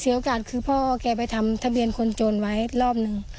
โอกาสคือพ่อแกไปทำทะเบียนคนจนไว้รอบหนึ่ง